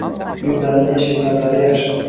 yuzlarini yashirganlari yaxshi.